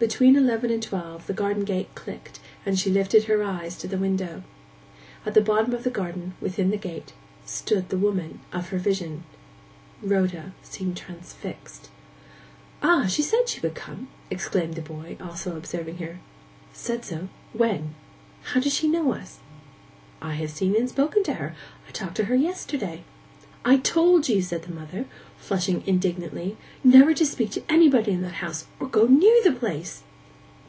Between eleven and twelve the garden gate clicked, and she lifted her eyes to the window. At the bottom of the garden, within the gate, stood the woman of her vision. Rhoda seemed transfixed. 'Ah, she said she would come!' exclaimed the boy, also observing her. 'Said so—when? How does she know us?' 'I have seen and spoken to her. I talked to her yesterday.' 'I told you,' said the mother, flushing indignantly, 'never to speak to anybody in that house, or go near the place.